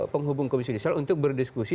penghubung komisi judisial untuk berdiskusi